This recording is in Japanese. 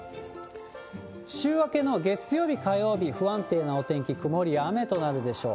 週明けの月曜日、火曜日、不安定なお天気、曇りや雨となるでしょう。